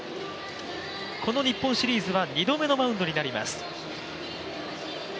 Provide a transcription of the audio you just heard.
この日本シリーズは２度目のマウンドになります。